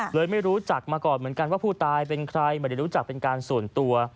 ไม่รู้จักมาก่อนเหมือนกันว่าผู้ตายเป็นใครไม่ได้รู้จักเป็นการส่วนตัว